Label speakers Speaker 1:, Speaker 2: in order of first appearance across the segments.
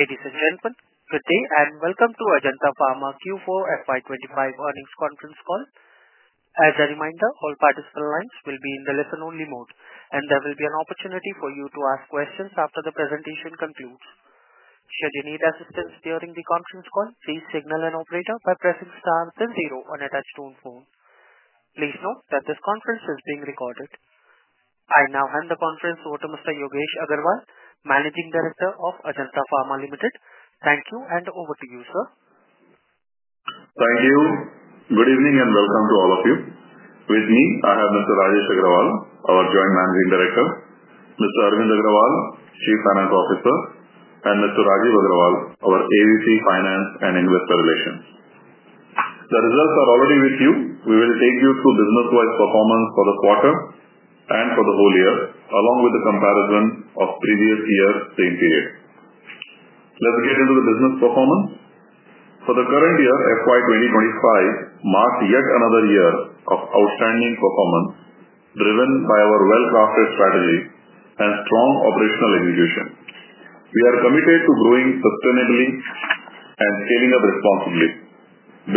Speaker 1: Ladies and gentlemen, good day and welcome to Ajanta Pharma Q4 FY25 earnings conference call. As a reminder, all participant lines will be in the listen-only mode, and there will be an opportunity for you to ask questions after the presentation concludes. Should you need assistance during the conference call, please signal an operator by pressing star plus zero on a touch-tone phone. Please note that this conference is being recorded. I now hand the conference over to Mr. Yogesh Agrawal, Managing Director of Ajanta Pharma Limited. Thank you, and over to you, sir.
Speaker 2: Thank you. Good evening and welcome to all of you. With me, I have Mr. Rajesh Agrawal, our Joint Managing Director, Mr. Arvind Agrawal, Chief Finance Officer, and Mr. Rajiv Agrawal, our AVP Finance and Investor Relations. The results are already with you. We will take you through business-wise performance for the quarter and for the whole year, along with the comparison of previous year's same period. Let's get into the business performance. For the current year, 2025 marked yet another year of outstanding performance, driven by our well-crafted strategy and strong operational execution. We are committed to growing sustainably and scaling up responsibly,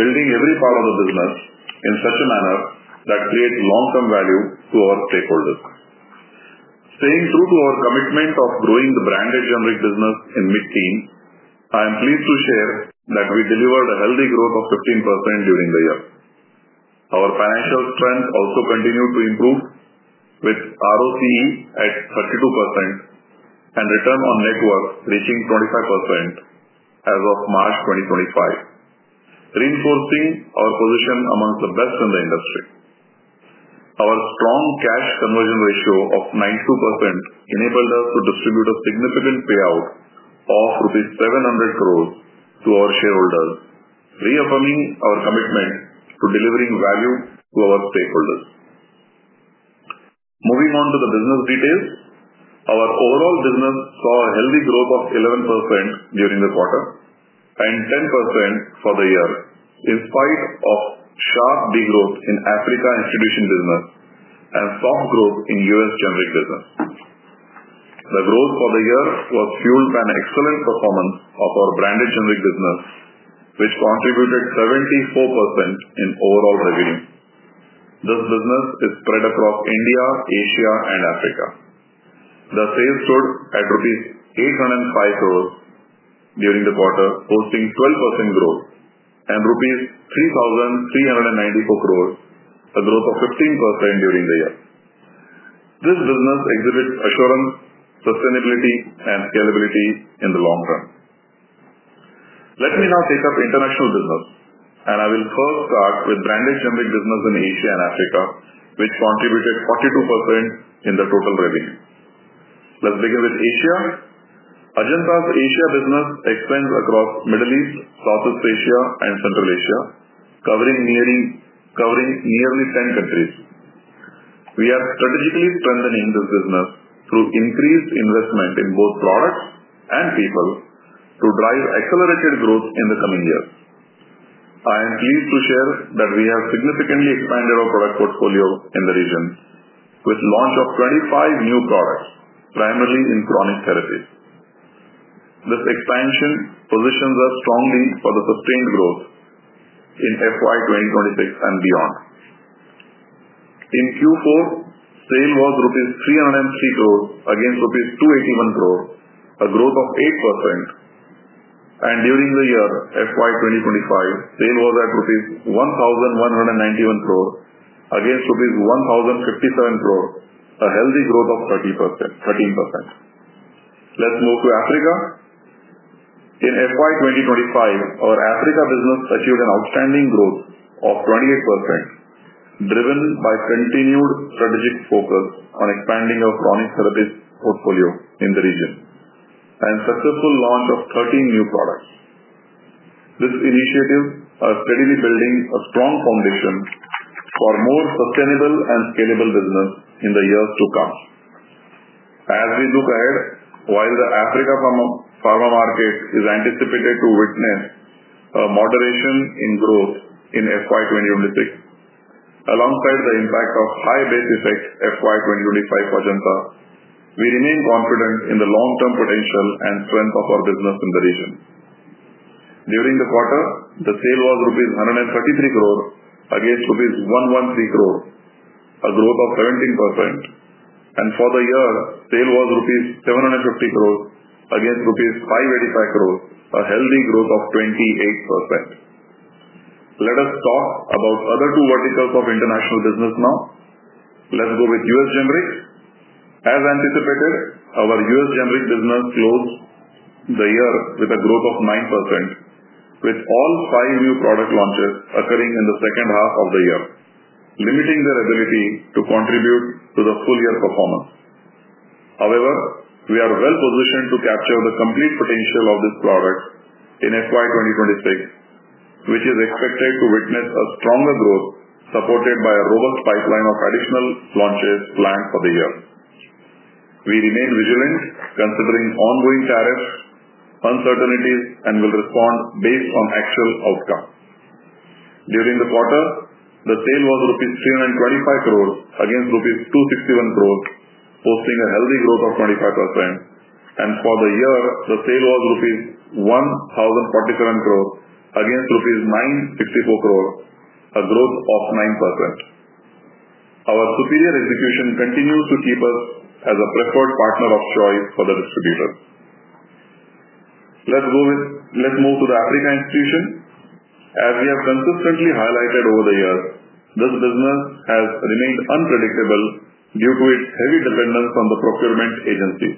Speaker 2: building every part of the business in such a manner that creates long-term value to our stakeholders. Staying true to our commitment of growing the branded generic business in mid-teens, I am pleased to share that we delivered a healthy growth of 15% during the year. Our financial strength also continued to improve, with ROCE at 32% and return on net worth reaching 25% as of March 2025, reinforcing our position amongst the best in the industry. Our strong cash conversion ratio of 92% enabled us to distribute a significant payout of INR 7,000,000,000 to our shareholders, reaffirming our commitment to delivering value to our stakeholders. Moving on to the business details, our overall business saw a healthy growth of 11% during the quarter and 10% for the year, in spite of sharp degrowth in Africa institution business and soft growth in US generic business. The growth for the year was fueled by an excellent performance of our branded generic business, which contributed 74% in overall revenue. This business is spread across India, Asia, and Africa. The sales stood at 805 crore rupees during the quarter, posting 12% growth, and 3,394 crore rupees, a growth of 15% during the year. This business exhibits assurance, sustainability, and scalability in the long run. Let me now take up international business, and I will first start with branded generic business in Asia and Africa, which contributed 42% in the total revenue. Let's begin with Asia. Ajanta's Asia business extends across Middle East, Southeast Asia, and Central Asia, covering nearly 10 countries. We are strategically strengthening this business through increased investment in both products and people to drive accelerated growth in the coming years. I am pleased to share that we have significantly expanded our product portfolio in the region, with the launch of 25 new products, primarily in chronic therapies. This expansion positions us strongly for the sustained growth in FY 2026 and beyond. In Q4, sale was rupees 303 crore against rupees 281 crore, a growth of 8%. During the year 2025, sale was at rupees 1,191 crore against rupees 1,057 crore, a healthy growth of 13%. Let's move to Africa. In 2025, our Africa business achieved an outstanding growth of 28%, driven by continued strategic focus on expanding our chronic therapies portfolio in the region and successful launch of 13 new products. These initiatives are steadily building a strong foundation for more sustainable and scalable business in the years to come. As we look ahead, while the Africa Pharma market is anticipated to witness a moderation in growth in 2026, alongside the impact of high base effect 2025 for Ajanta, we remain confident in the long-term potential and strength of our business in the region. During the quarter, the sale was INR 133 crore against INR 113 crore, a growth of 17%. For the year, sale was INR 750 crore against INR 585 crore, a healthy growth of 28%. Let us talk about other two verticals of international business now. Let's go with US generics. As anticipated, our US generic business closed the year with a growth of 9%, with all five new product launches occurring in the second half of the year, limiting their ability to contribute to the full-year performance. However, we are well-positioned to capture the complete potential of this product in FY 2026, which is expected to witness a stronger growth supported by a robust pipeline of additional launches planned for the year. We remain vigilant, considering ongoing tariffs, uncertainties, and will respond based on actual outcomes. During the quarter, the sale was rupees 325 crore against rupees 261 crore, posting a healthy growth of 25%. For the year, the sale was rupees 1,047 crore against rupees 964 crore, a growth of 9%. Our superior execution continues to keep us as a preferred partner of choice for the distributors. Let's move to the Africa institution. As we have consistently highlighted over the years, this business has remained unpredictable due to its heavy dependence on the procurement agencies.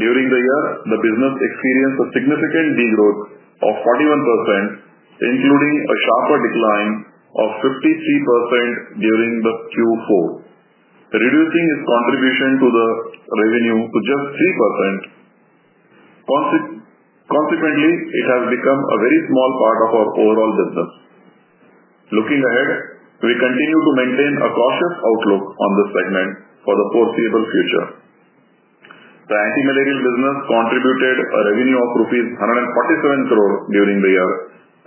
Speaker 2: During the year, the business experienced a significant degrowth of 41%, including a sharper decline of 53% during Q4, reducing its contribution to the revenue to just 3%. Consequently, it has become a very small part of our overall business. Looking ahead, we continue to maintain a cautious outlook on this segment for the foreseeable future. The anti-malarial business contributed a revenue of rupees 147 crore during the year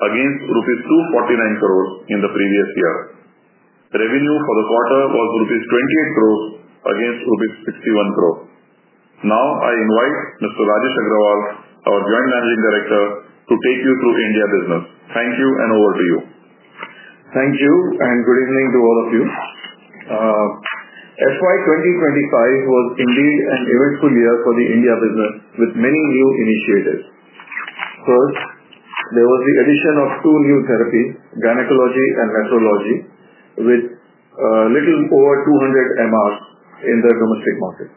Speaker 2: against rupees 249 crore in the previous year. Revenue for the quarter was rupees 28 crore against rupees 61 crore. Now, I invite Mr. Rajesh Agrawal, our Joint Managing Director, to take you through India business. Thank you, and over to you.
Speaker 3: Thank you, and good evening to all of you. FY25 was indeed an eventful year for the India business, with many new initiatives. First, there was the addition of two new therapies, gynecology and nephrology, with a little over 200 MRs in the domestic market.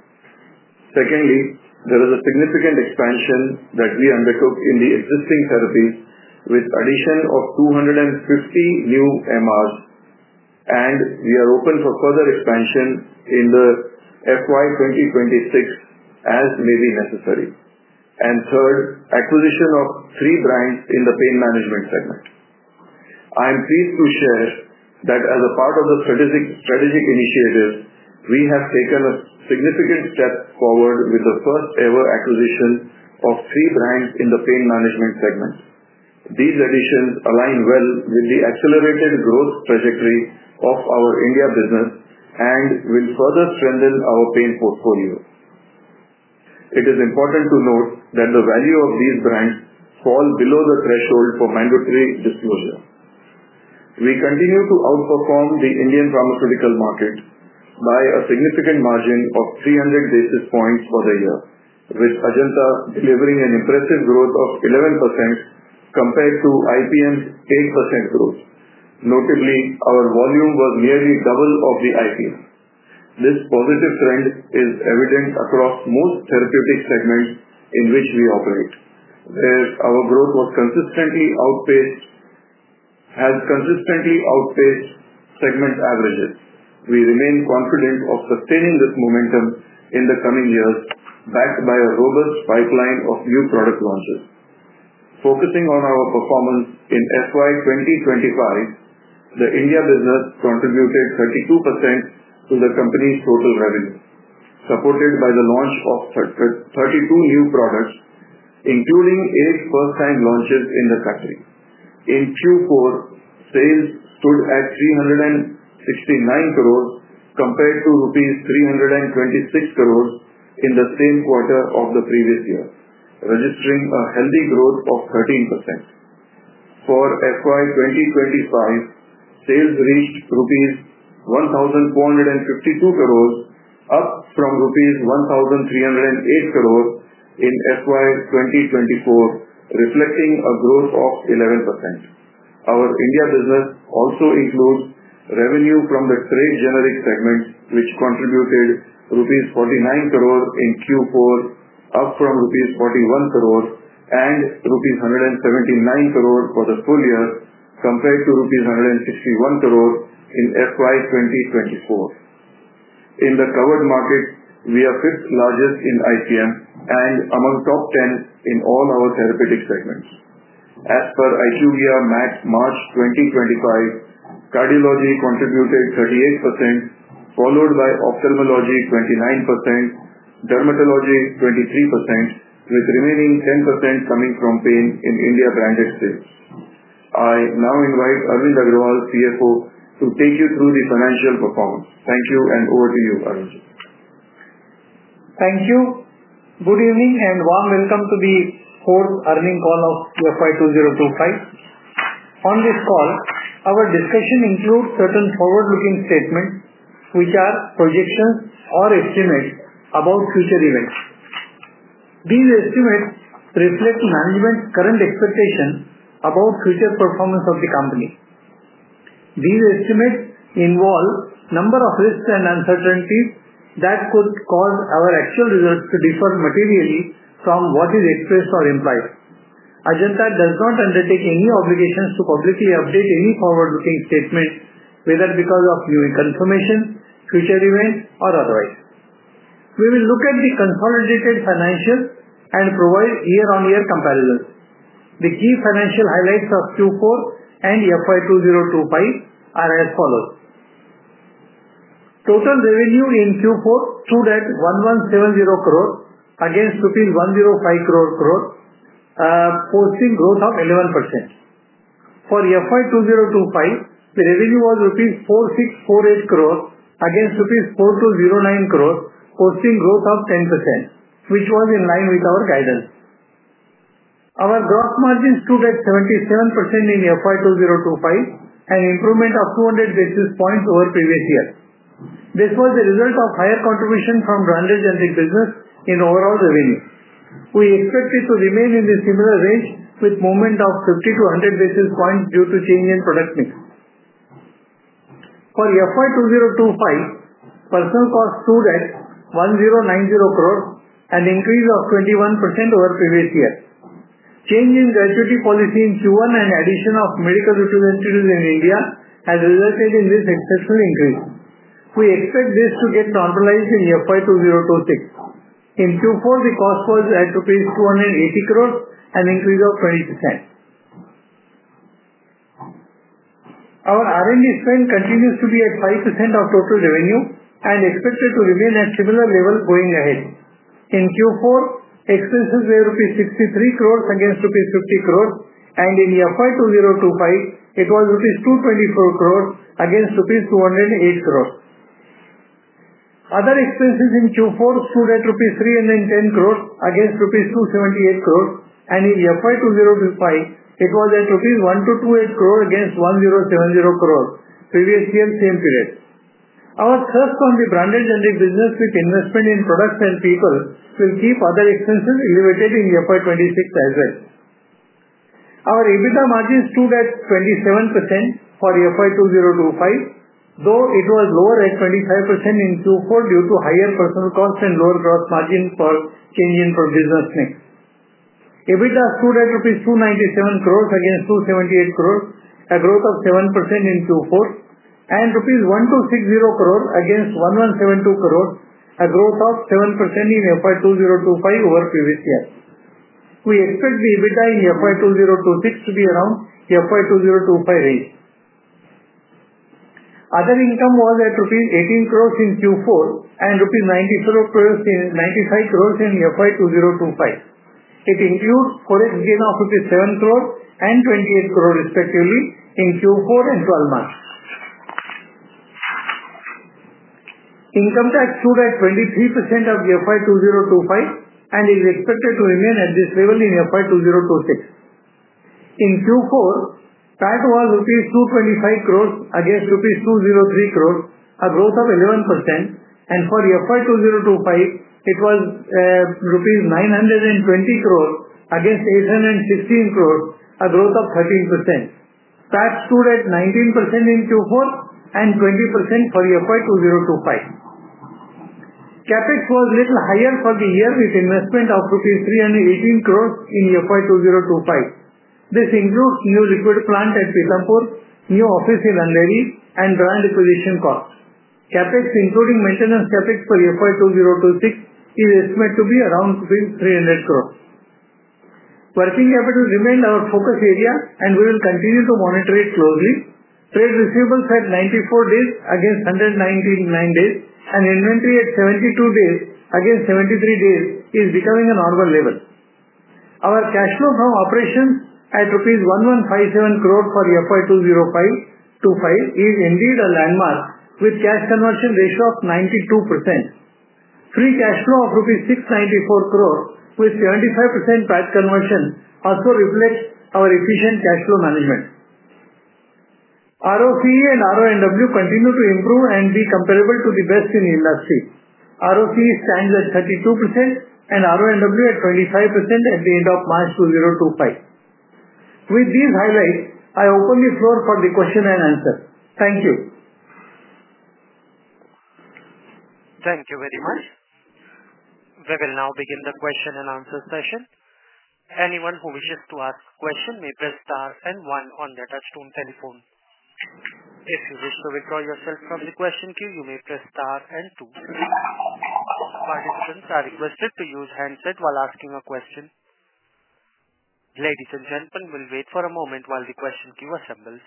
Speaker 3: Secondly, there was a significant expansion that we undertook in the existing therapies, with the addition of 250 new MRs. We are open for further expansion in FY26 as may be necessary. Third, acquisition of three brands in the pain management segment. I am pleased to share that, as a part of the strategic initiatives, we have taken a significant step forward with the first-ever acquisition of three brands in the pain management segment. These additions align well with the accelerated growth trajectory of our India business and will further strengthen our pain portfolio. It is important to note that the value of these brands falls below the threshold for mandatory disclosure. We continue to outperform the Indian pharmaceutical market by a significant margin of 300 basis points for the year, with Ajanta delivering an impressive growth of 11% compared to IPM's 8% growth. Notably, our volume was nearly double of the IPM. This positive trend is evident across most therapeutic segments in which we operate, where our growth has consistently outpaced segment averages. We remain confident of sustaining this momentum in the coming years, backed by a robust pipeline of new product launches. Focusing on our performance in FY 2025, the India business contributed 32% to the company's total revenue, supported by the launch of 32 new products, including eight first-time launches in the category. In Q4, sales stood at 369 crores compared to rupees 326 crores in the same quarter of the previous year, registering a healthy growth of 13%. For FY25, sales reached rupees 1,452 crores, up from rupees 1,308 crores in FY24, reflecting a growth of 11%. Our India business also includes revenue from the trade generic segment, which contributed rupees 49 crores in Q4, up from rupees 41 crores and rupees 179 crores for the full year compared to rupees 161 crores in FY24. In the covered market, we are fifth largest in IPM and among top 10 in all our therapeutic segments. As per IQVIA MAT March 2025, cardiology contributed 38%, followed by ophthalmology 29%, dermatology 23%, with remaining 10% coming from pain in India branded sales. I now invite Arvind Agrawal, CFO, to take you through the financial performance. Thank you, and over to you, Arvind.
Speaker 4: Thank you. Good evening and warm welcome to the fourth earning call of FY2025. On this call, our discussion includes certain forward-looking statements, which are projections or estimates about future events. These estimates reflect management's current expectations about future performance of the company. These estimates involve a number of risks and uncertainties that could cause our actual results to differ materially from what is expressed or implied. Ajanta does not undertake any obligations to publicly update any forward-looking statements, whether because of new confirmations, future events, or otherwise. We will look at the consolidated financials and provide year-on-year comparisons. The key financial highlights of Q4 and FY2025 are as follows. Total revenue in Q4 stood at 1,170 crore against 1,055 crore, posting a growth of 11%. For FY2025, the revenue was rupees 4,648 crore against rupees 4,209 crore, posting a growth of 10%, which was in line with our guidance. Our gross margins stood at 77% in FY2025, an improvement of 200 basis points over the previous year. This was the result of higher contribution from branded generic business in overall revenue. We expected to remain in the similar range with a movement of 50-100 basis points due to a change in product mix. For FY2025, personnel costs stood at 1,090 crore, an increase of 21% over the previous year. Change in gratuity policy in Q1 and the addition of medical representatives in India has resulted in this exceptional increase. We expect this to get normalized in FY2026. In Q4, the cost was at 280 crore, an increase of 20%. Our R&D spend continues to be at 5% of total revenue and is expected to remain at a similar level going ahead. In Q4, expenses were 630 million rupees against 500 million rupees, and in FY2025, it was 2,240 million rupees against 2,080 million rupees. Other expenses in Q4 stood at 3,100 million rupees against 2,780 million rupees, and in FY2025, it was at 1,280 million rupees against 10,700 million, previous year same period. Our thrust on the branded generic business, with investment in products and people, will keep other expenses elevated in FY2026 as well. Our EBITDA margins stood at 27% for FY2025, though it was lower at 25% in Q4 due to higher personal costs and lower gross margin for changing from business mix. EBITDA stood at INR 2,970 million against 2,780 million, a growth of 7% in Q4, and rupees 12,600 million against 11,720 million, a growth of 7% in FY2025 over the previous year. We expect the EBITDA in FY2026 to be around FY2025 rate. Other income was at rupees 180 million in Q4 and rupees 950 million in FY2025. It includes forex gain of rupees 70 million and 280 million, respectively, in Q4 and Q1. Income tax stood at 23% of FY2025 and is expected to remain at this level in FY2026. In Q4, PAT was rupees 2,250 million against rupees 2,030 million, a growth of 11%. For FY2025, it was rupees 9,200 million against 8,160 million, a growth of 13%. PAT stood at 19% in Q4 and 20% for FY2025. CapEx was a little higher for the year, with investment of rupees 3,180 million in FY2025. This includes new liquid plant at Pithampur, new office in Kandivali, and brand acquisition costs. CapEx, including maintenance CapEx for FY2026, is estimated to be around 3,000 million. Working capital remained our focus area, and we will continue to monitor it closely. Trade receivables at 94 days against 199 days, and inventory at 72 days against 73 days, is becoming a normal level. Our cash flow from operations at rupees 1,157 crore for FY2025 is indeed a landmark, with a cash conversion ratio of 92%. Free cash flow of 694 crore rupees, with 75% PAT conversion, also reflects our efficient cash flow management. ROCE and RONW continue to improve and be comparable to the best in the industry. ROCE stands at 32% and RONW at 25% at the end of March 2025. With these highlights, I open the floor for the question and answer. Thank you.
Speaker 1: Thank you very much. We will now begin the question and answer session. Anyone who wishes to ask a question may press star and one on the touchscreen telephone. If you wish to withdraw yourself from the question queue, you may press star and two. Participants are requested to use handset while asking a question. Ladies and gentlemen, we will wait for a moment while the question queue assembles.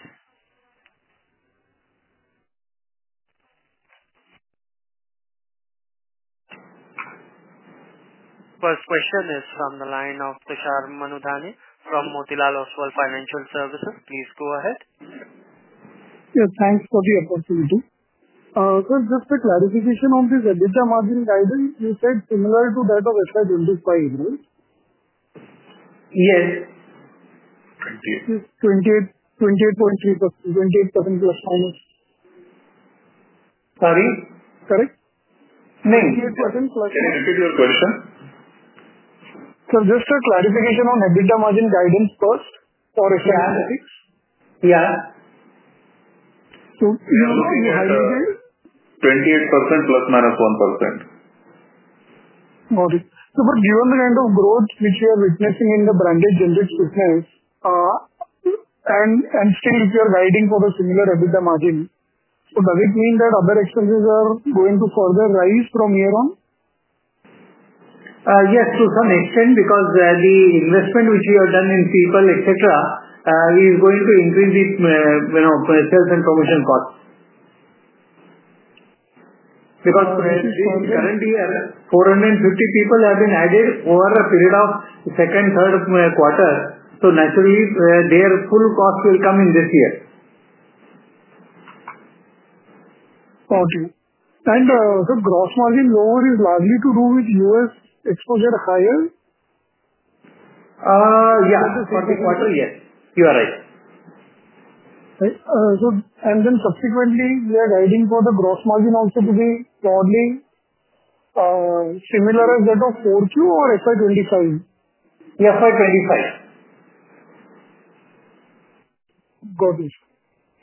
Speaker 1: First question is from the line of Tushar Manudhane from Motilal Oswal Financial Services. Please go ahead.
Speaker 5: Yes, thanks for the opportunity. Sir, just a clarification on this EBITDA margin guidance. You said similar to that of FY25, right?
Speaker 4: Yes.
Speaker 5: 28.
Speaker 4: 28.3%, 28% plus minus.
Speaker 5: Sorry?
Speaker 4: Correct?
Speaker 5: 28% plus minus.
Speaker 4: Can you repeat your question?
Speaker 5: Sir, just a clarification on EBITDA margin guidance first for FY26.
Speaker 4: Yeah.
Speaker 5: You know the higher end?
Speaker 4: 28% plus minus 1%.
Speaker 5: Got it. Sir, but given the kind of growth which we are witnessing in the branded generic business, and still, if you are guiding for the similar EBITDA margin, does it mean that other expenses are going to further rise from here on?
Speaker 4: Yes, to some extent, because the investment which we have done in people, etc., is going to increase the sales and promotion costs.
Speaker 5: Because currently, 450 people have been added over a period of the second, third quarter, so naturally, their full cost will come in this year. Got it. Sir, gross margin lower is largely to do with US exposure higher?
Speaker 4: Yeah, for the quarter, yes. You are right.
Speaker 5: Then subsequently, we are guiding for the gross margin also to be broadly similar as that of Q4 or FY25?
Speaker 4: FY25.
Speaker 5: Got it.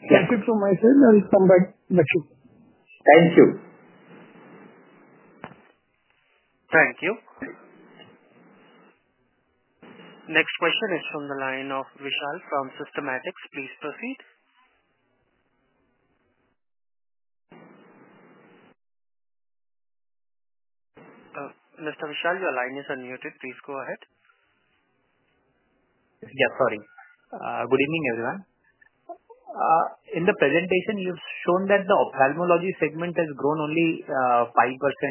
Speaker 5: Thank you so much. I will come back with you.
Speaker 4: Thank you.
Speaker 1: Thank you. Next question is from the line of Vishal from Systematix. Please proceed. Mr. Vishal, your line is unmuted. Please go ahead.
Speaker 6: Yes, sorry. Good evening, everyone. In the presentation, you've shown that the ophthalmology segment has grown only 5%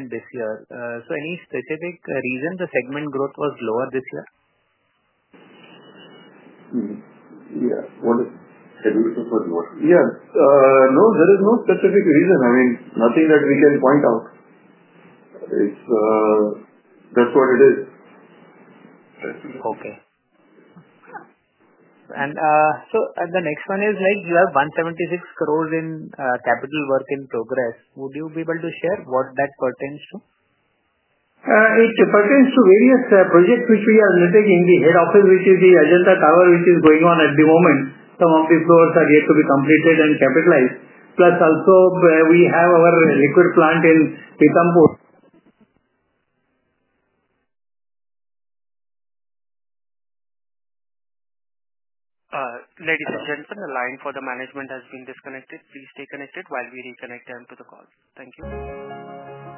Speaker 6: this year. Any specific reason the segment growth was lower this year?
Speaker 2: Yeah. What is the reason for the growth?
Speaker 4: Yes. No, there is no specific reason. I mean, nothing that we can point out. That is what it is.
Speaker 6: Okay. Sir, the next one is, you have 1.76 billion in capital work in progress. Would you be able to share what that pertains to?
Speaker 4: It pertains to various projects which we are undertaking. The head office, which is the Ajanta Tower, which is going on at the moment, some of the floors are yet to be completed and capitalized. Plus, also, we have our liquid plant in Pithampur.
Speaker 1: Ladies and gentlemen, the line for the management has been disconnected. Please stay connected while we reconnect them to the call. Thank you.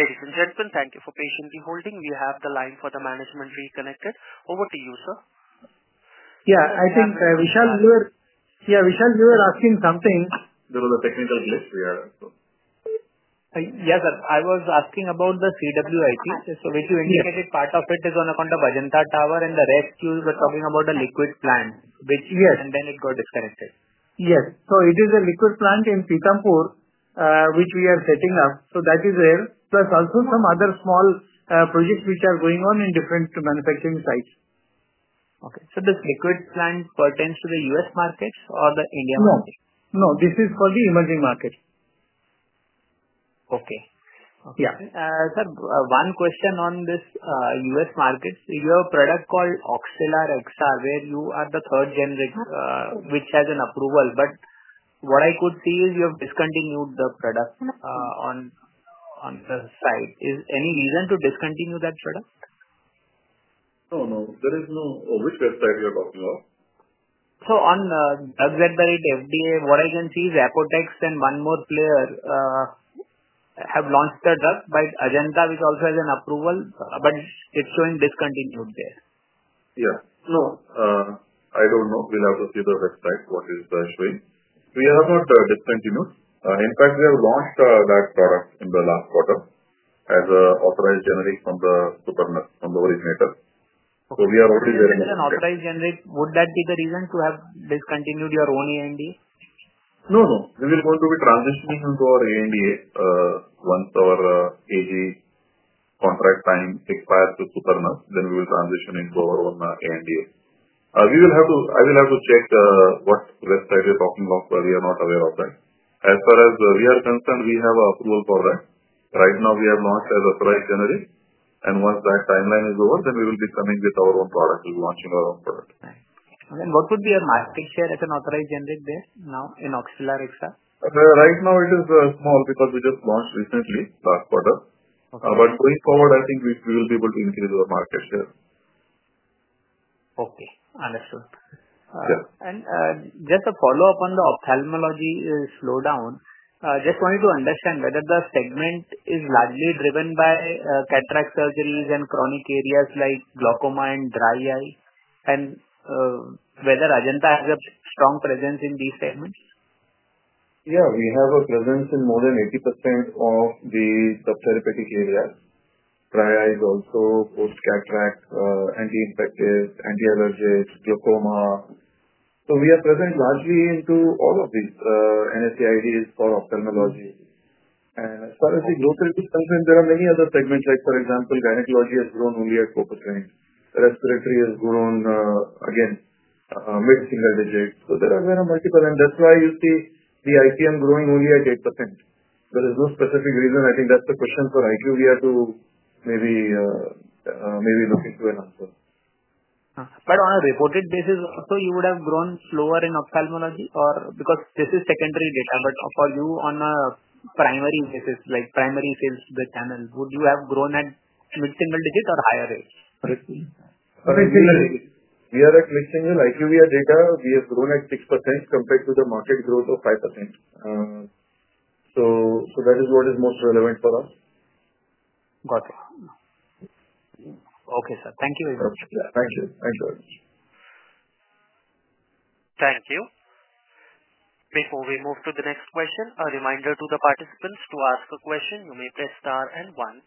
Speaker 1: Ladies and gentlemen, thank you for patiently holding. We have the line for the management reconnected. Over to you, sir.
Speaker 7: Yeah, I think Vishal, you were asking something.
Speaker 2: There was a technical glitch. We are also.
Speaker 6: Yes, sir. I was asking about the CWIP. What you indicated, part of it is on account of Ajanta Tower, and the rest, you were talking about a liquid plant, which.
Speaker 4: Yes.
Speaker 6: It got disconnected.
Speaker 4: Yes. It is a liquid plant in Pithampur, which we are setting up. That is there. Plus, also, some other small projects which are going on in different manufacturing sites.
Speaker 6: Okay. This liquid plant pertains to the US market or the India market?
Speaker 4: No. No. This is for the emerging market.
Speaker 6: Okay.
Speaker 4: Yeah.
Speaker 6: Sir, one question on this U.S. market. You have a product called Oxtellar XR, where you are the third generator, which has an approval. What I could see is you have discontinued the product on the site. Is there any reason to discontinue that product?
Speaker 2: No, no. There is no. Which website are you talking about?
Speaker 6: On Drugs@FDA, what I can see is Apotex and one more player have launched the drug, but Ajanta, which also has an approval, but it's showing discontinued there.
Speaker 2: Yeah. No, I don't know. We'll have to see the website, what it is showing. We have not discontinued. In fact, we have launched that product in the last quarter as an authorized generic from the originator. So we are already there.
Speaker 6: If it is an authorized generic, would that be the reason to have discontinued your own ANDA?
Speaker 2: No, no. We will be transitioning into our ANDA once our AG contract time expires with Supernus. We will transition into our own ANDA. I will have to check what website you're talking about, but we are not aware of that. As far as we are concerned, we have approval for that. Right now, we have launched as an authorized generic. Once that timeline is over, we will be coming with our own product. We'll be launching our own product.
Speaker 6: What would be your market share as an authorized generic there now in Oxtellar XR?
Speaker 2: Right now, it is small because we just launched recently, last quarter. Going forward, I think we will be able to increase our market share.
Speaker 6: Okay. Understood. Just a follow-up on the ophthalmology slowdown. Just wanted to understand whether the segment is largely driven by cataract surgeries and chronic areas like glaucoma and dry eye, and whether Ajanta has a strong presence in these segments?
Speaker 2: Yeah. We have a presence in more than 80% of the subtherapeutic areas. Dry eye is also post-cataract, anti-infective, anti-allergenic, glaucoma. We are present largely into all of these NSAIDs for ophthalmology. As far as the growth rate is concerned, there are many other segments. For example, gynecology has grown only at 4% range. Respiratory has grown, again, mid-single digit. There are multiple. That is why you see the IPM growing only at 8%. There is no specific reason. I think that is the question for IQVIA to maybe look into and answer.
Speaker 6: On a reported basis, also, you would have grown slower in ophthalmology? Because this is secondary data, but for you on a primary basis, like primary sales channel, would you have grown at mid-single digit or higher rate?
Speaker 2: Mid-single digit. We are at mid-single. IQVIA data, we have grown at 6% compared to the market growth of 5%. That is what is most relevant for us.
Speaker 6: Got it. Okay, sir. Thank you very much.
Speaker 2: Thank you. Thank you very much.
Speaker 1: Thank you. Before we move to the next question, a reminder to the participants to ask a question. You may press star and one.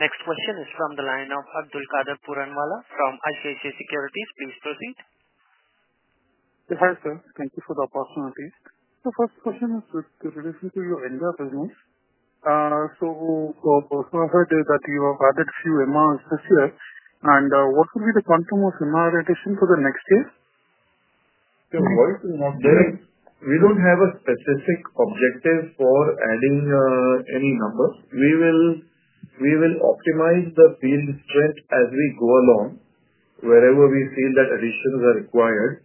Speaker 1: Next question is from the line of Abdulkader Puranwala from ICICI Securities. Please proceed.
Speaker 8: Yes, sir. Thank you for the opportunity. The first question is with relation to your India business. I heard that you have added a few MRs this year. What would be the quantum of MR addition for the next year?
Speaker 2: We do not have a specific objective for adding any numbers. We will optimize the field strength as we go along, wherever we feel that additions are required.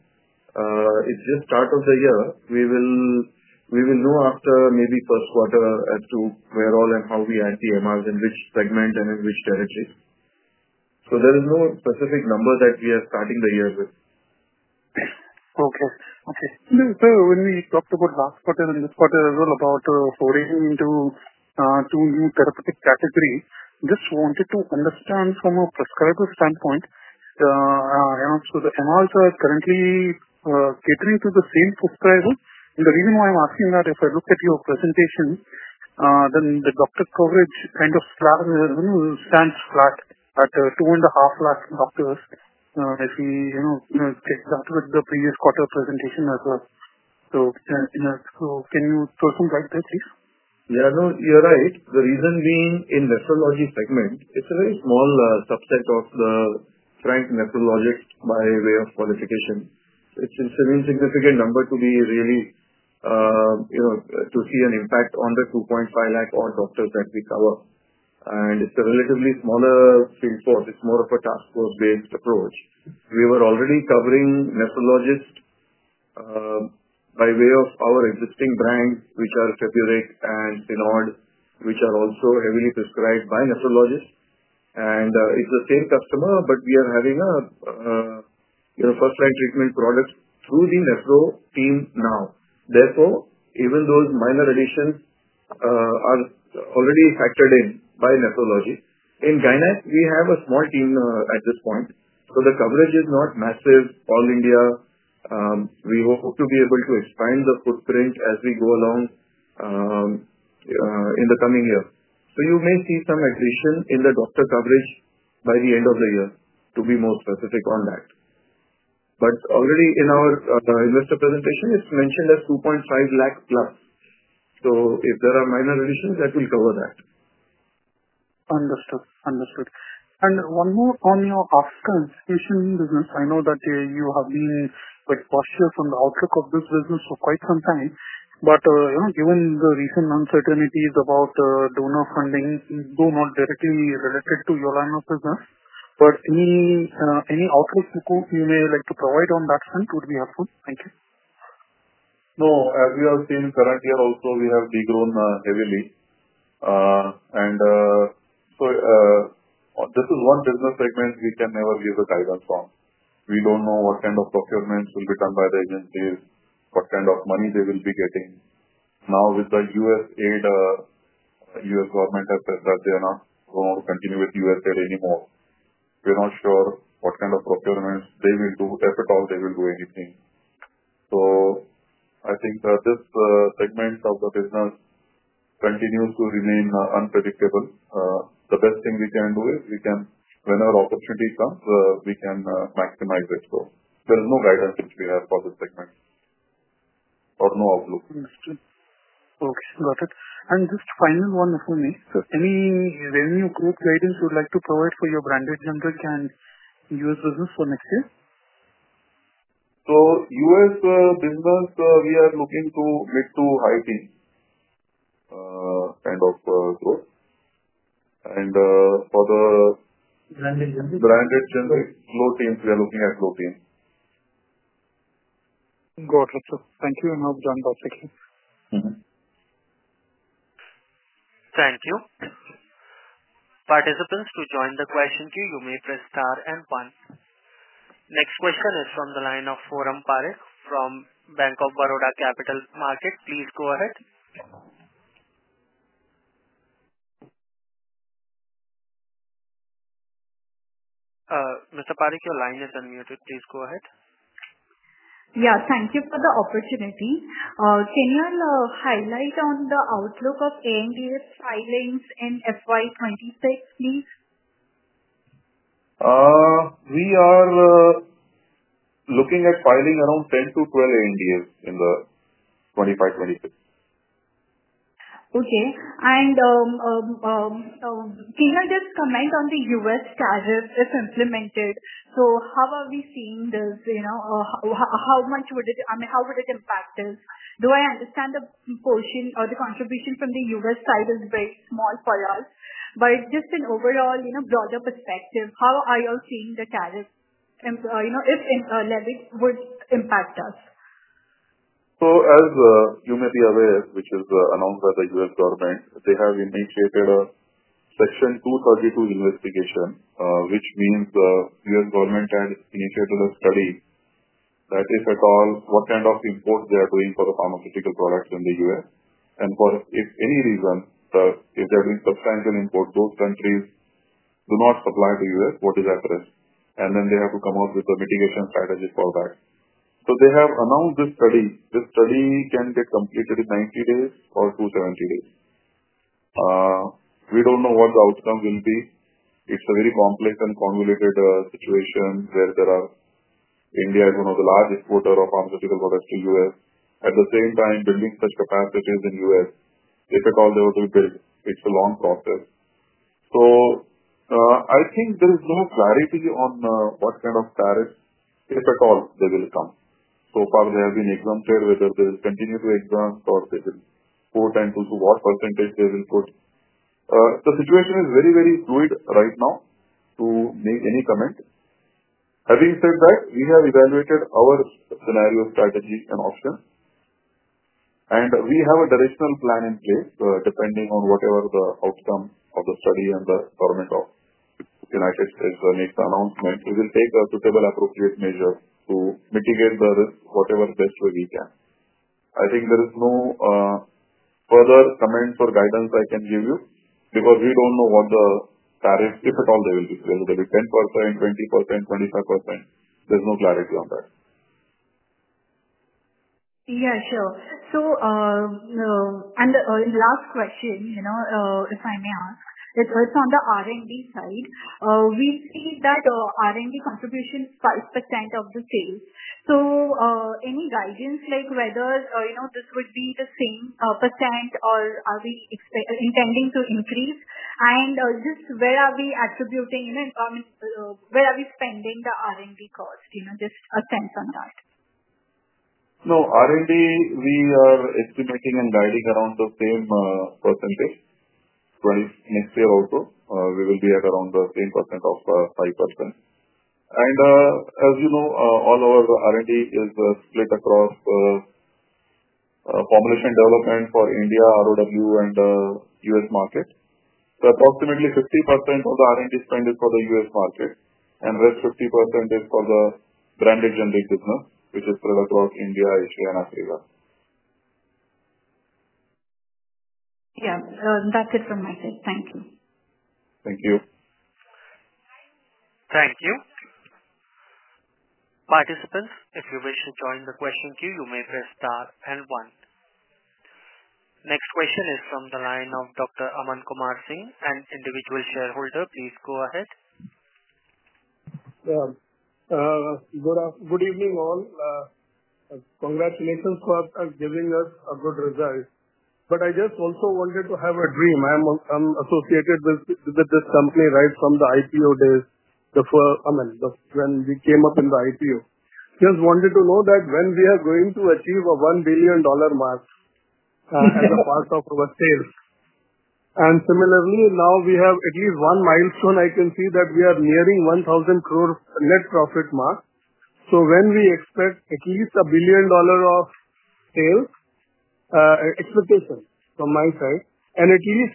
Speaker 2: It is just start of the year. We will know after maybe first quarter as to where all and how we add the MRs in which segment and in which territory. There is no specific number that we are starting the year with.
Speaker 8: Okay. Okay. Sir, when we talked about last quarter and this quarter as well about foraying into two new therapeutic categories, just wanted to understand from a prescriber standpoint. The MRs are currently catering to the same prescriber. The reason why I'm asking that, if I look at your presentation, then the doctor coverage kind of stands flat at 2.5 lakh doctors, if we check that with the previous quarter presentation as well. Can you clarify that, please?
Speaker 2: Yeah. No, you're right. The reason being in nephrology segment, it's a very small subset of the frank nephrologists by way of qualification. It's an insignificant number to really see an impact on the 250,000 all doctors that we cover. It's a relatively smaller field force. It's more of a task force-based approach. We were already covering nephrologists by way of our existing brands, which are Feburic and Cilnod, which are also heavily prescribed by nephrologists. It's the same customer, but we are having a first-line treatment product through the nephro team now. Therefore, even those minor additions are already factored in by nephrology. In gynae, we have a small team at this point. The coverage is not massive all India. We hope to be able to expand the footprint as we go along in the coming year. You may see some addition in the doctor coverage by the end of the year, to be more specific on that. Already in our investor presentation, it is mentioned as 250,000 plus. If there are minor additions, that will cover that.
Speaker 8: Understood. Understood. One more on your Africa institution business. I know that you have been quite cautious on the outlook of this business for quite some time. Given the recent uncertainties about donor funding, though not directly related to your line of business, any outlook you may like to provide on that front would be helpful. Thank you.
Speaker 2: No. As you have seen, current year also, we have degrown heavily. This is one business segment we can never give a guidance on. We do not know what kind of procurements will be done by the agencies, what kind of money they will be getting. Now, with the USAID, U.S. government has said that they are not going to continue with USAID anymore. We are not sure what kind of procurements they will do, if at all they will do anything. I think this segment of the business continues to remain unpredictable. The best thing we can do is, whenever opportunity comes, we can maximize it. There is no guidance which we have for this segment or no outlook.
Speaker 8: Understood. Okay. Got it. Just final one for me. Any revenue growth guidance you would like to provide for your branded generic and US business for next year?
Speaker 2: U.S. business, we are looking to mid to high teens kind of growth. For the.
Speaker 8: Branded generic?
Speaker 2: Branded generics, low teens. We are looking at low teens.
Speaker 8: Got it. Thank you. I've done that again.
Speaker 1: Thank you. Participants, to join the question queue, you may press star and one. Next question is from the line of Forum Parekh from Bank of Baroda Capital Markets. Please go ahead. Mr. Parikh, your line is unmuted. Please go ahead.
Speaker 9: Yes. Thank you for the opportunity. Can you highlight on the outlook of ANDA filings in FY 2026, please?
Speaker 2: We are looking at filing around 10-12 ANDAs in the 2025-2026.
Speaker 9: Okay. Can you just comment on the U.S. tariff if implemented? How are we seeing this? How much would it—I mean, how would it impact us? Do I understand the portion or the contribution from the U.S. side is very small for us? Just in overall broader perspective, how are you seeing the tariff if levied would impact us?
Speaker 2: As you may be aware, which is announced by the U.S. government, they have initiated a Section 232 investigation, which means the U.S. government has initiated a study that, if at all, what kind of import they are doing for the pharmaceutical products in the U.S. For any reason, if they're doing substantial import, those countries do not supply to the U.S., what is at risk? They have to come up with a mitigation strategy for that. They have announced this study. This study can get completed in 90 days or 270 days. We don't know what the outcome will be. It's a very complex and convoluted situation where India is one of the largest exporters of pharmaceutical products to the U.S. At the same time, building such capacities in the U.S., if at all they were to build, it's a long process. I think there is no clarity on what kind of tariffs, if at all, they will come. So far, they have been exempted, whether they will continue to exempt or they will put and to what percentage they will put. The situation is very, very fluid right now to make any comment. Having said that, we have evaluated our scenario, strategy, and options. We have a directional plan in place, depending on whatever the outcome of the study and the government of the United States makes the announcement. We will take the suitable appropriate measures to mitigate the risk, whatever best way we can. I think there is no further comments or guidance I can give you because we don't know what the tariffs, if at all, they will be. Whether they'll be 10%, 20%, 25%, there's no clarity on that.
Speaker 9: Yeah, sure. In the last question, if I may ask, it's on the R&D side. We see that R&D contribution is 5% of the sales. Any guidance like whether this would be the same % or are we intending to increase? Just where are we attributing and where are we spending the R&D cost? Just a sense on that.
Speaker 2: No, R&D, we are estimating and guiding around the same percentage. Next year also, we will be at around the same % of 5%. As you know, all our R&D is split across formulation development for India, ROW, and US market. Approximately 50% of the R&D spend is for the US market, and the rest 50% is for the branded generic business, which is spread across India, Asia, and Africa.
Speaker 9: Yeah. That's it from my side. Thank you.
Speaker 2: Thank you.
Speaker 1: Thank you. Participants, if you wish to join the question queue, you may press star and one. Next question is from the line of Dr. Aman Kumar Singh, an individual shareholder. Please go ahead. Good evening, all. Congratulations for giving us a good result. I just also wanted to have a dream. I'm associated with this company right from the IPO days, I mean, when we came up in the IPO. Just wanted to know that when we are going to achieve a $1 billion mark as a part of our sales. Similarly, now we have at least one milestone. I can see that we are nearing ₹1,000 crore net profit mark. When do we expect at least a billion dollar of sales, expectation from my side, and at least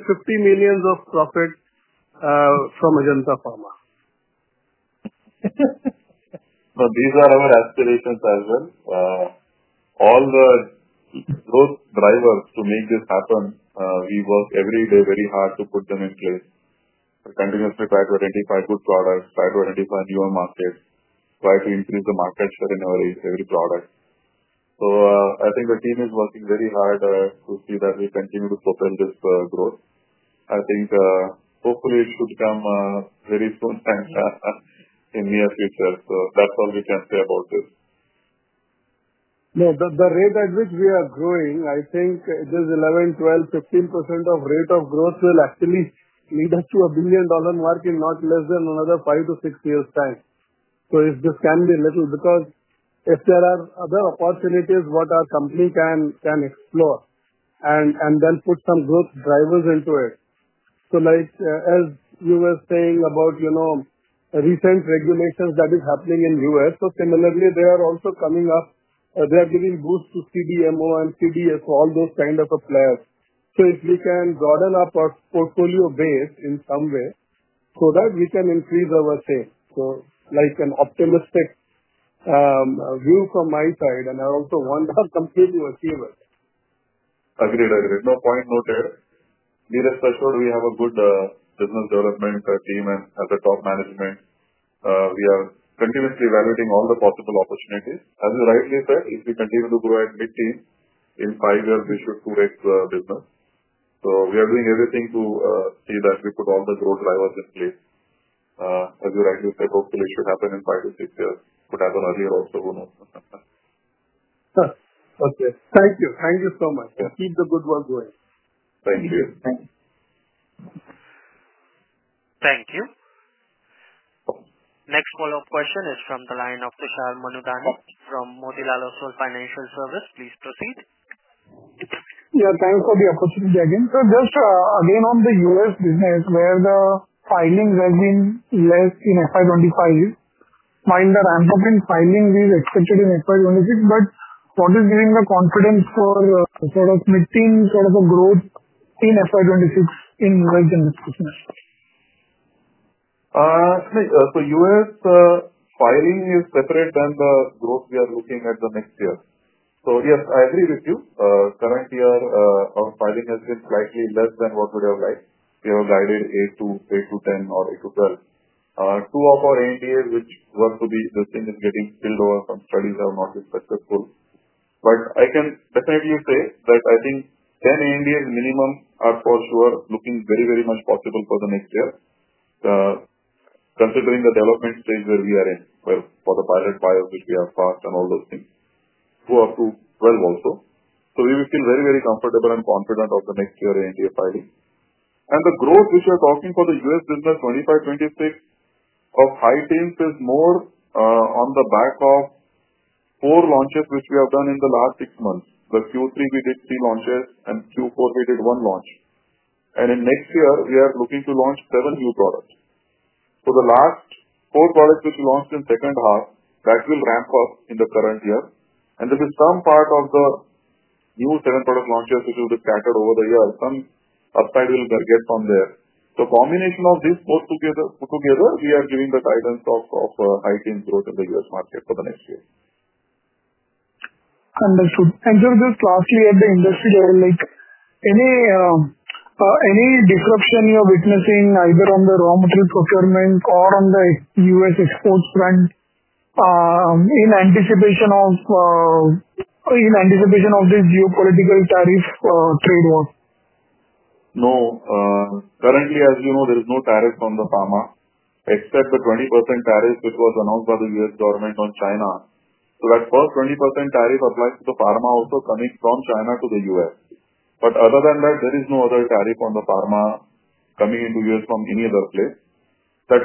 Speaker 1: $250 million of profit from Ajanta Pharma.
Speaker 2: These are our aspirations as well. All the growth drivers to make this happen, we work every day very hard to put them in place. We continuously try to identify good products, try to identify newer markets, try to increase the market share in every product. I think the team is working very hard to see that we continue to propel this growth. I think hopefully it should come very soon in the near future. That is all we can say about this. No, the rate at which we are growing, I think this 11%, 12%, 15% rate of growth will actually lead us to a billion dollar mark in not less than another five to six years' time. If this can be little, because if there are other opportunities what our company can explore and then put some growth drivers into it. Like you were saying about recent regulations that are happening in the US, similarly, they are also coming up. They are giving boost to CDMO and CROs, all those kind of players. If we can broaden up our portfolio base in some way so that we can increase our sales. Like an optimistic view from my side, and I also wonder how completely achieve it. Agreed. Agreed. Point noted. Rest assured, we have a good business development team and at the top management. We are continuously evaluating all the possible opportunities. As you rightly said, if we continue to grow at mid-teens, in five years, we should 2x business. We are doing everything to see that we put all the growth drivers in place. As you rightly said, hopefully it should happen in five to six years. Could happen earlier also, who knows? Okay. Thank you. Thank you so much. Keep the good work going. Thank you.
Speaker 3: Thank you.
Speaker 1: Thank you. Next follow-up question is from the line of Tushar Manudhane from Motilal Oswal Financial Services. Please proceed.
Speaker 5: Yeah. Thanks for the opportunity again. Just again on the US business, where the filings have been less in FY25, while the ramp-up in filings is expected in FY26, what is giving the confidence for sort of mid-teen sort of a growth in FY26 in US business?
Speaker 2: U.S. filing is separate than the growth we are looking at the next year. Yes, I agree with you. Current year, our filing has been slightly less than what we would have liked. We have guided 8-10 or 8-12. Two of our ANDAs, which were to be this thing is getting spilled over from studies, have not been successful. I can definitely say that I think 10 ANDAs minimum are for sure looking very, very much possible for the next year, considering the development stage where we are in for the pivotals, which we have passed and all those things, 2 up to 12 also. We will feel very, very comfortable and confident of the next year ANDA filing. The growth which we are talking for the US business 2025-2026 of high teens is more on the back of four launches which we have done in the last six months. In Q3, we did three launches, and Q4, we did one launch. In next year, we are looking to launch seven new products. The last four products which we launched in second half, that will ramp up in the current year. There will be some part of the new seven product launches which will be scattered over the year. Some upside will get from there. The combination of these put together, we are giving the guidance of high-teen growth in the US market for the next year.
Speaker 5: Understood. Just lastly, at the industry level, any disruption you are witnessing either on the raw material procurement or on the US exports front in anticipation of this geopolitical tariff trade war?
Speaker 2: No. Currently, as you know, there is no tariff on pharma, except the 20% tariff which was announced by the U.S. government on China. That first 20% tariff applies to pharma also coming from China to the U.S. Other than that, there is no other tariff on pharma coming into the U.S. from any other place. The 20%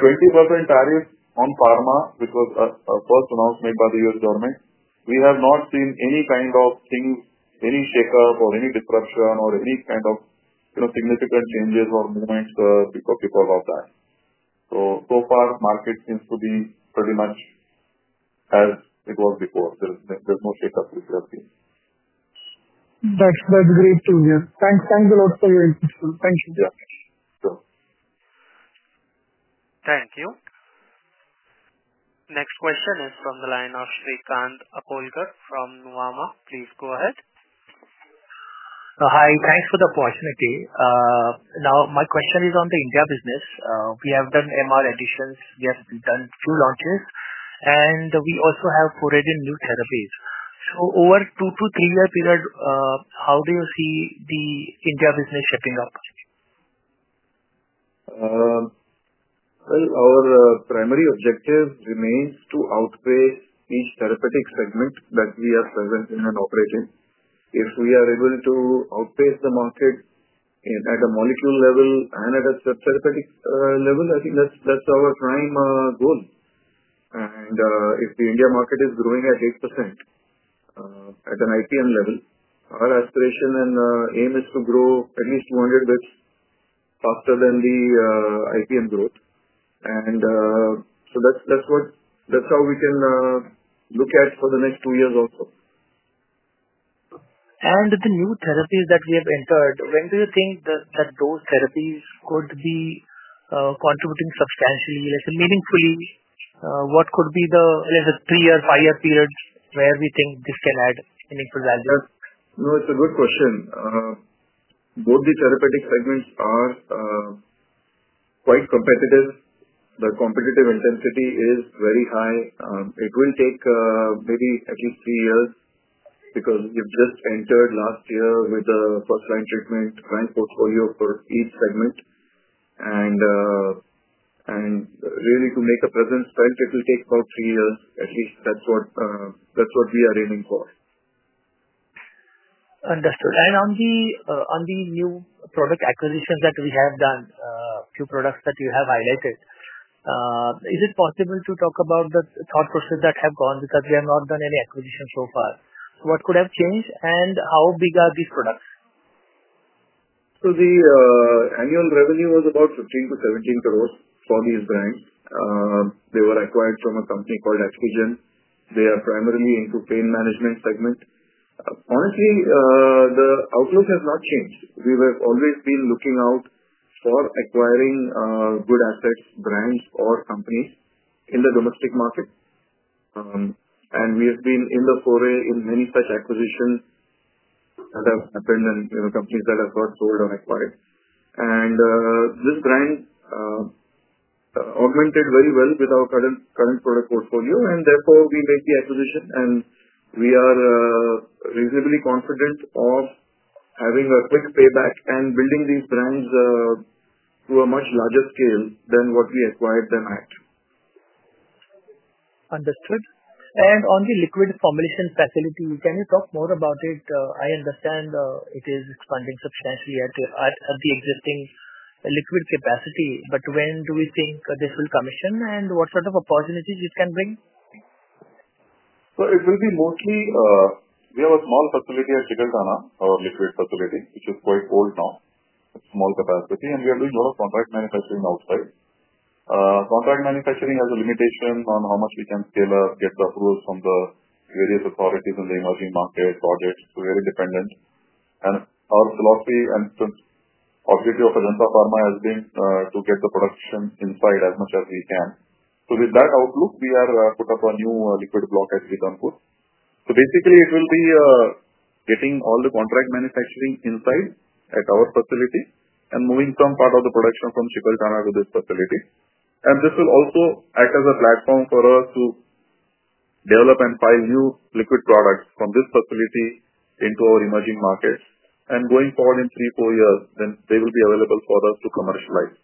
Speaker 2: tariff on pharma, which was first announced by the U.S. government, we have not seen any kind of things, any shake-up or any disruption or any kind of significant changes or movements because of that. Market seems to be pretty much as it was before. There's no shake-up which we have seen.
Speaker 5: That's great to hear. Thanks a lot for your insights. Thank you.
Speaker 2: Yeah. Sure.
Speaker 1: Thank you. Next question is from the line of Shrikant Akolkar from Nuvama. Please go ahead.
Speaker 10: Hi. Thanks for the opportunity. Now, my question is on the India business. We have done MR additions. We have done a few launches, and we also have courage in new therapies. Over a two to three-year period, how do you see the India business shaping up?
Speaker 2: Our primary objective remains to outpace each therapeutic segment that we are present in and operate in. If we are able to outpace the market at a molecule level and at a subtherapeutic level, I think that's our prime goal. If the India market is growing at 8% at an IPM level, our aspiration and aim is to grow at least 200 basis points faster than the IPM growth. That is how we can look at for the next two years also.
Speaker 10: The new therapies that we have entered, when do you think that those therapies could be contributing substantially, meaningfully? What could be the three-year, five-year periods where we think this can add meaningful value?
Speaker 2: No, it's a good question. Both the therapeutic segments are quite competitive. The competitive intensity is very high. It will take maybe at least three years because we have just entered last year with the first-line treatment, current portfolio for each segment. Really, to make a presence felt, it will take about three years. At least that's what we are aiming for.
Speaker 10: Understood. On the new product acquisitions that we have done, a few products that you have highlighted, is it possible to talk about the thought process that have gone because we have not done any acquisitions so far? What could have changed, and how big are these products?
Speaker 2: The annual revenue was about 15-17 crore for these brands. They were acquired from a company called Actigen. They are primarily into the pain management segment. Honestly, the outlook has not changed. We have always been looking out for acquiring good assets, brands, or companies in the domestic market. We have been in the foray in many such acquisitions that have happened and companies that have got sold or acquired. This brand augmented very well with our current product portfolio, and therefore we made the acquisition, and we are reasonably confident of having a quick payback and building these brands to a much larger scale than what we acquired them at.
Speaker 10: Understood. On the liquid formulation facility, can you talk more about it? I understand it is expanding substantially at the existing liquid capacity, but when do we think this will commission, and what sort of opportunities it can bring?
Speaker 2: It will be mostly we have a small facility at Dahej, our liquid facility, which is quite old now, small capacity, and we are doing a lot of contract manufacturing outside. Contract manufacturing has a limitation on how much we can scale up, get the approvals from the various authorities in the emerging market, projects. It is very dependent. Our philosophy and objective of Ajanta Pharma has been to get the production inside as much as we can. With that outlook, we have put up a new liquid block at Dahej. Basically, it will be getting all the contract manufacturing inside at our facility and moving some part of the production from Dahej to this facility. This will also act as a platform for us to develop and file new liquid products from this facility into our emerging markets. Going forward in three, four years, then they will be available for us to commercialize.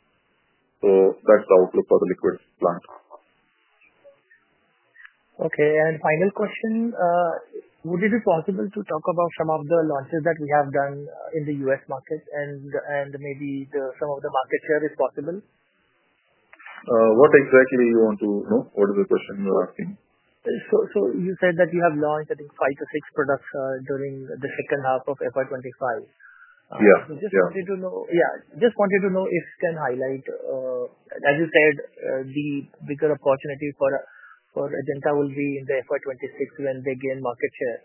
Speaker 2: That is the outlook for the liquid plant.
Speaker 10: Okay. Final question, would it be possible to talk about some of the launches that we have done in the US market and maybe some of the market share is possible?
Speaker 2: What exactly do you want to know? What is the question you're asking?
Speaker 10: You said that you have launched, I think, five to six products during the second half of FY 2025.
Speaker 2: Yeah. Yeah.
Speaker 10: Just wanted to know if you can highlight, as you said, the bigger opportunity for Ajanta will be in the FY 2026 when they gain market share.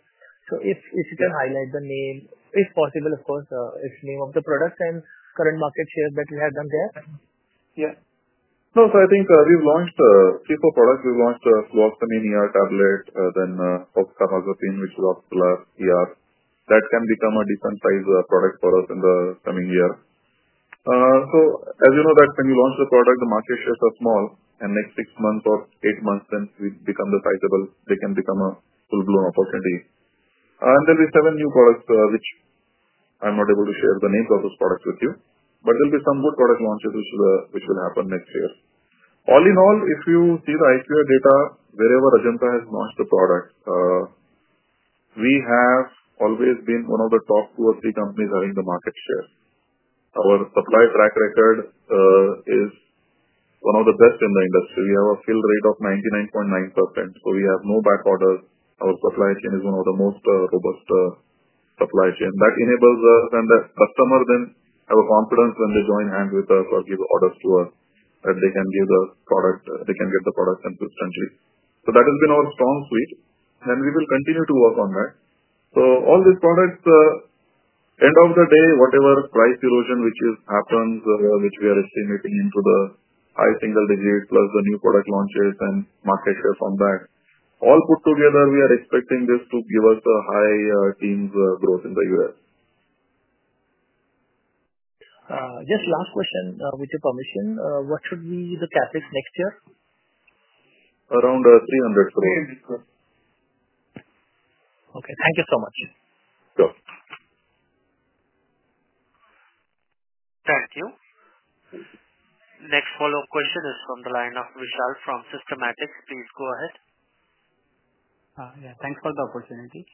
Speaker 10: If you can highlight the name, if possible, of course, name of the products and current market share that you have done there.
Speaker 2: Yeah. No, I think we've launched a few products. We've launched fluvoxamine tablet, then oxcarbazepine, which is Oxtellar XR. That can become a decent-sized product for us in the coming year. As you know, when you launch the product, the market shares are small, and next six months or eight months, they become sizable. They can become a full-blown opportunity. There will be seven new products, which I'm not able to share the names of with you, but there will be some good product launches which will happen next year. All in all, if you see the IQVIA data, wherever Ajanta has launched the product, we have always been one of the top two or three companies having the market share. Our supply track record is one of the best in the industry. We have a fill rate of 99.9%, so we have no back orders. Our supply chain is one of the most robust supply chain. That enables us and the customer then have a confidence when they join hands with us or give orders to us that they can give the product they can get the product consistently. That has been our strong suit, and we will continue to work on that. All these products, end of the day, whatever price erosion which happens, which we are estimating into the high single digit plus the new product launches and market share from that, all put together, we are expecting this to give us a high teens growth in the US.
Speaker 10: Just last question, with your permission, what should be the CapEx next year?
Speaker 2: Around INR 3,000,000,000.
Speaker 10: 300 crore. Okay. Thank you so much.
Speaker 2: Sure.
Speaker 1: Thank you. Next follow-up question is from the line of Vishal from Systematix. Please go ahead.
Speaker 6: Yeah. Thanks for the opportunity.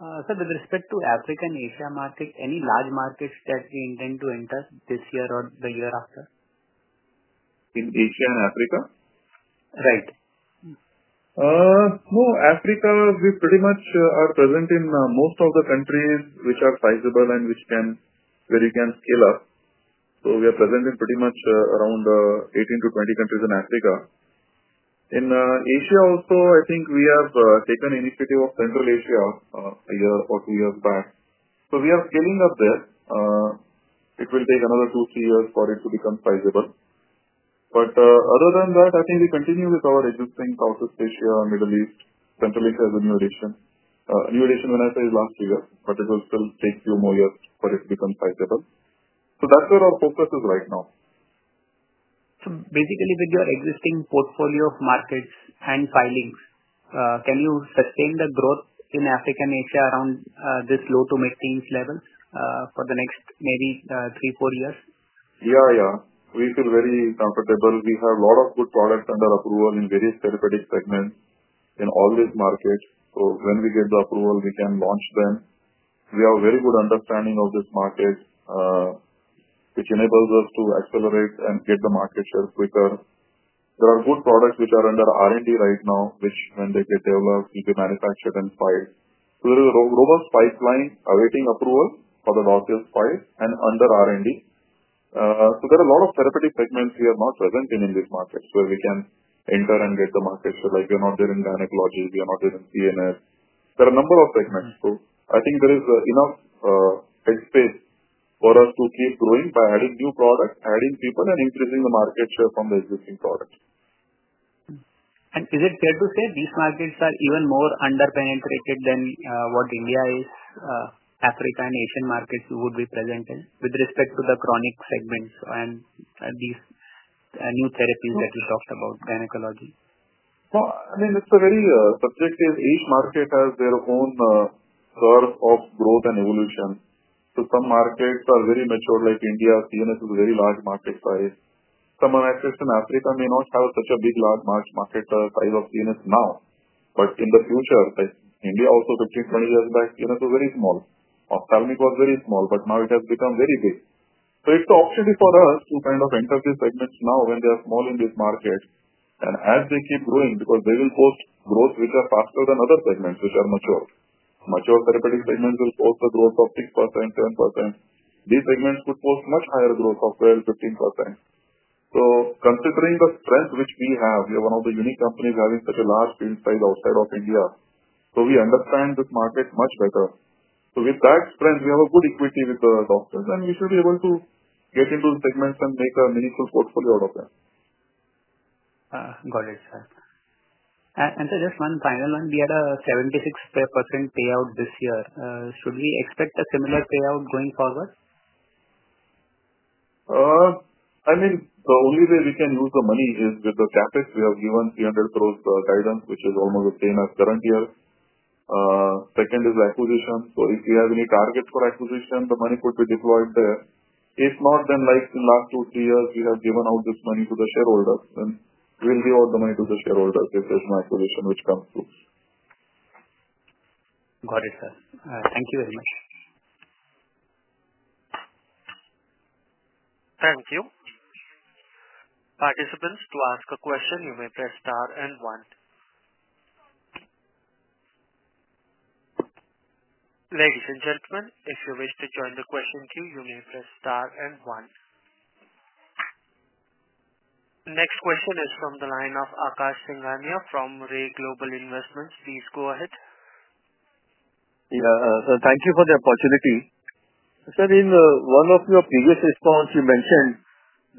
Speaker 6: Sir, with respect to Africa and Asia market, any large markets that we intend to enter this year or the year after?
Speaker 2: In Asia and Africa?
Speaker 6: Right.
Speaker 2: No, Africa, we pretty much are present in most of the countries which are sizable and where you can scale up. We are present in pretty much around 18-20 countries in Africa. In Asia also, I think we have taken initiative of Central Asia a year or two years back. We are scaling up there. It will take another two-three years for it to become sizable. Other than that, I think we continue with our existing Southeast Asia, Middle East, Central Asia as a new addition. New addition, when I say, is last year, but it will still take a few more years for it to become sizable. That is where our focus is right now.
Speaker 6: Basically, with your existing portfolio of markets and filings, can you sustain the growth in Africa and Asia around this low to mid-teens level for the next maybe three, four years?
Speaker 2: Yeah. Yeah. We feel very comfortable. We have a lot of good products under approval in various therapeutic segments in all these markets. When we get the approval, we can launch them. We have a very good understanding of this market, which enables us to accelerate and get the market share quicker. There are good products which are under R&D right now, which when they get developed, will be manufactured and filed. There is a robust pipeline awaiting approval for the dossiers filed and under R&D. There are a lot of therapeutic segments we are not present in in these markets where we can enter and get the market share. We are not there in gynecology. We are not there in CNS. There are a number of segments. I think there is enough headspace for us to keep growing by adding new products, adding people, and increasing the market share from the existing products.
Speaker 6: Is it fair to say these markets are even more under-penetrated than what India is, Africa and Asian markets would be present in, with respect to the chronic segments and these new therapies that you talked about, gynecology?
Speaker 2: I mean, it's very subjective. Each market has their own curve of growth and evolution. Some markets are very mature, like India. CNS is a very large market size. Some markets in Africa may not have such a big large market size of CNS now, but in the future, like India also, 15-20 years back, CNS was very small. Ophthalmology was very small, but now it has become very big. It's optional for us to kind of enter these segments now when they are small in this market. As they keep growing, because they will post growth which are faster than other segments which are mature. Mature therapeutic segments will post a growth of 6%-7%. These segments could post much higher growth of 12%-15%. Considering the strength which we have, we are one of the unique companies having such a large field size outside of India. We understand this market much better. With that strength, we have a good equity with the doctors, and we should be able to get into the segments and make a meaningful portfolio out of them.
Speaker 6: Got it, sir. Sir, just one final one. We had a 76% payout this year. Should we expect a similar payout going forward?
Speaker 2: I mean, the only way we can use the money is with the CapEx. We have given 3,000,000,000 guidance, which is almost the same as current year. Second is acquisition. If we have any target for acquisition, the money could be deployed there. If not, like in the last two, three years, we have given out this money to the shareholders, then we will give out the money to the shareholders if there is an acquisition which comes through.
Speaker 6: Got it, sir. Thank you very much.
Speaker 1: Thank you. Participants, to ask a question, you may press star and one. Ladies and gentlemen, if you wish to join the question queue, you may press star and one. Next question is from the line of Aakash Singhania from Raay Global Investments. Please go ahead.
Speaker 11: Yeah. Thank you for the opportunity. Sir, in one of your previous responses, you mentioned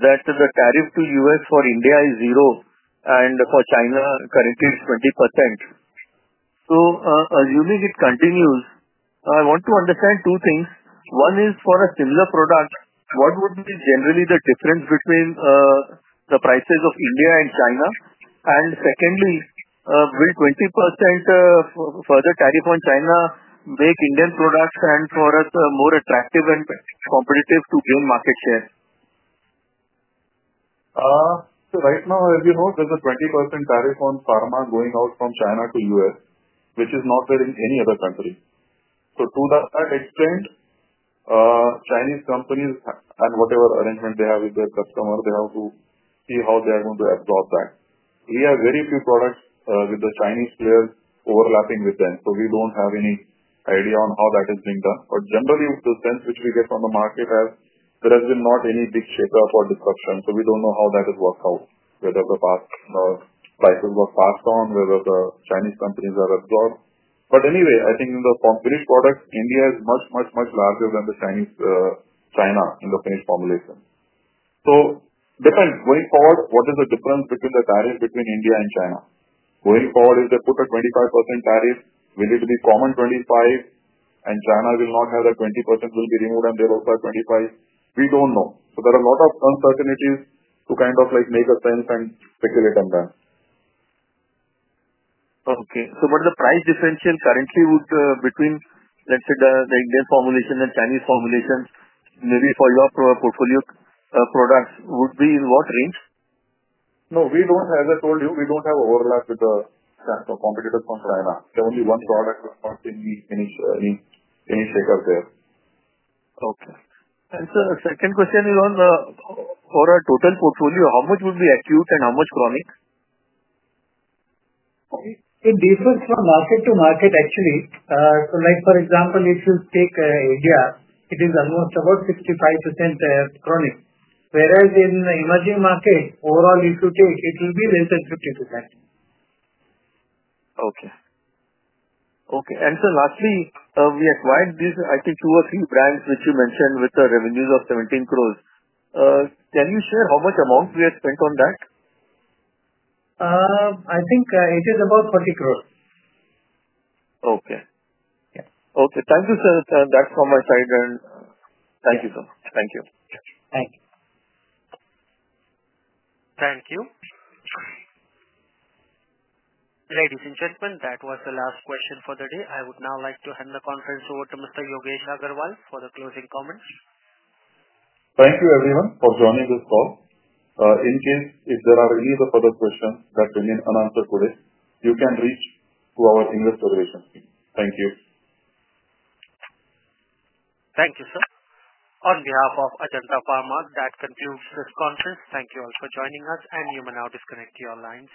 Speaker 11: that the tariff to the US for India is zero, and for China, currently, it is 20%. Assuming it continues, I want to understand two things. One is, for a similar product, what would be generally the difference between the prices of India and China? Secondly, will a 20% further tariff on China make Indian products and for us more attractive and competitive to gain market share?
Speaker 2: Right now, as you know, there's a 20% tariff on pharma going out from China to the U.S., which is not there in any other country. To that extent, Chinese companies and whatever arrangement they have with their customers, they have to see how they are going to absorb that. We have very few products with the Chinese players overlapping with them, so we don't have any idea on how that is being done. Generally, the sense which we get from the market is there has not been any big shake-up or disruption. We don't know how that has worked out, whether the prices were passed on, whether the Chinese companies have absorbed. Anyway, I think in the finished products, India is much, much, much larger than China in the finished formulation. Going forward, what is the difference between the tariff between India and China? Going forward, if they put a 25% tariff, will it be common 25%, and China will not have that 20% will be removed and they'll also have 25%? We don't know. There are a lot of uncertainties to kind of make a sense and speculate on that.
Speaker 11: Okay. What is the price differential currently between the Indian formulation and Chinese formulation, maybe for your portfolio products, would be in what range?
Speaker 2: No, we don't. As I told you, we don't have overlap with the competitors from China. There's only one product that's not in any shake-up there.
Speaker 11: Okay. Sir, second question is on for a total portfolio, how much would be acute and how much chronic?
Speaker 4: Okay. It differs from market to market, actually. For example, if you take India, it is almost about 65% chronic, whereas in the emerging market, overall, if you take, it will be less than 50%.
Speaker 11: Okay. Okay. Sir, lastly, we acquired these, I think, two or three brands which you mentioned with the revenues of 17 crore. Can you share how much amount we have spent on that?
Speaker 4: I think it is about 40 crore.
Speaker 11: Okay. Okay. Thank you, sir. That is from my side. Thank you so much. Thank you.
Speaker 4: Thank you.
Speaker 1: Thank you. Ladies and gentlemen, that was the last question for the day. I would now like to hand the conference over to Mr. Yogesh Agrawal for the closing comments.
Speaker 2: Thank you, everyone, for joining this call. In case if there are any further questions that remain unanswered today, you can reach to our investor relations team. Thank you.
Speaker 1: Thank you, sir. On behalf of Ajanta Pharma, that concludes this conference. Thank you all for joining us, and you may now disconnect your lines.